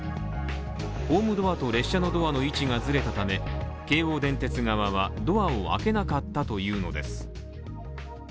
ホームドアと列車のドアの位置がずれたため、京王電鉄側は、ドアを開けなかったというのです。